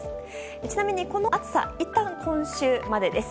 ちなみに、この暑さいったん今週までです。